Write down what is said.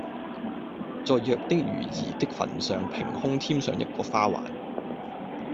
在《藥》的瑜兒的墳上平空添上一個花環，